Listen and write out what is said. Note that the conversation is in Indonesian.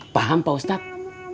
paham pak ustadz